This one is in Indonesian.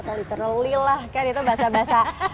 atau literally lah kan itu bahasa bahasa